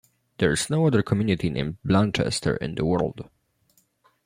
There is no other community named "Blanchester" in the world.